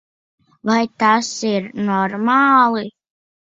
Vai tas ir normāli?